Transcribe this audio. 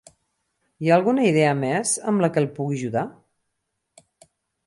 Hi ha alguna idea més amb la que el pugui ajudar?